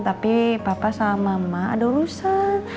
tapi papa sama mama ada rusa